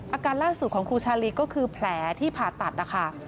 อาการล่าสุดของครูชาลีก็คือแผลที่ผ่าตัดนะคะ